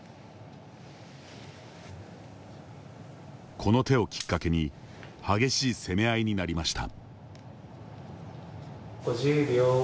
この手をきっかけに激しい攻め合いになりました。